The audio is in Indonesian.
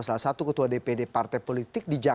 salah satu ketua dpd partai politik dijalankan